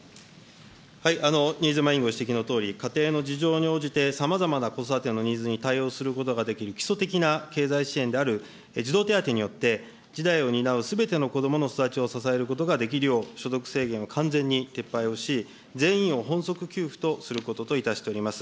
新妻委員ご指摘のとおり、家庭の事情に応じてさまざまな子育てのニーズに対応することができる、基礎的な経済支援である児童手当によって、じだいを担うすべての子どもの育ちを支えることができるよう、所得制限を完全に撤廃をし、全員を本則給付とすることといたしております。